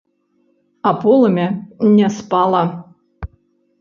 А полымя не спала.